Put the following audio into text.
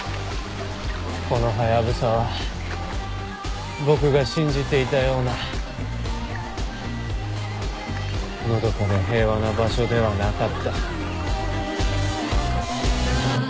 このハヤブサは僕が信じていたようなのどかで平和な場所ではなかった。